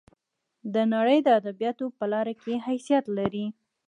د نړۍ د ادبیاتو په لار کې حیثیت لري.